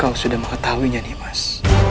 kau sudah mengetahuinya nimas